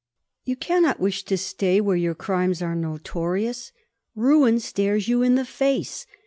_You cannot wish to stay where your crimes are notorious. Ruin stares you in the face.